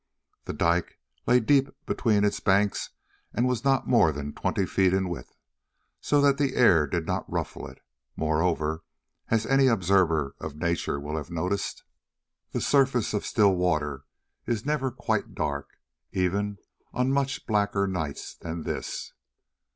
The dike lay deep between its banks and was not more than twenty feet in width, so that the air did not ruffle it; moreover, as any observer of nature will have noticed, the surface of still water is never quite dark, even on much blacker nights than this.